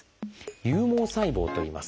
「有毛細胞」といいます。